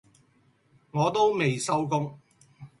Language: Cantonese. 我都未收工